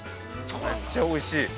めっちゃおいしい。